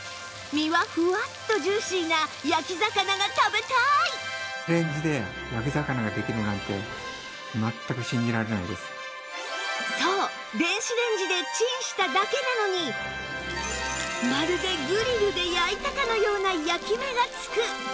身はフワッとジューシーなそう電子レンジでチンしただけなのにまるでグリルで焼いたかのような焼き目がつく！